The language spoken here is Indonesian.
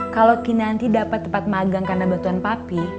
kalau kinanti dapat tempat magang karena batuan papi